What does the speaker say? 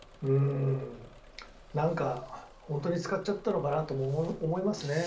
なんか、本当に使っちゃったのかなと思います。